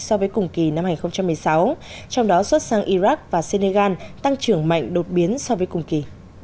so với cùng kỳ năm hai nghìn một mươi sáu trong đó xuất sang iraq và senegal tăng trưởng mạnh đột biến so với cùng kỳ